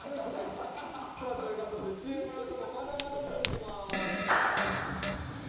さあという事でＣＭのあともまだまだ続きます。